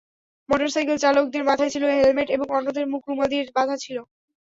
মোটরসাইকেলচালকদের মাথায় ছিল হেলমেট এবং অন্যদের মুখ রুমাল দিয়ে বাঁধা ছিল।